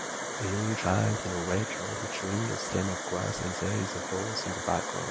A young child in a red shirt is chewing a stem of grass and there is a horse in the background